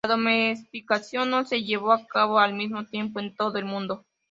La domesticación no se llevó a cabo al mismo tiempo en todo el mundo.